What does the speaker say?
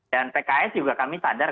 dan pks juga kami sadar